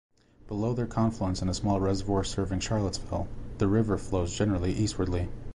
Below their confluence in a small reservoir serving Charlottesville, the river flows generally eastwardly.